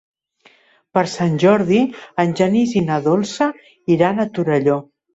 Per Sant Jordi en Genís i na Dolça iran a Torelló.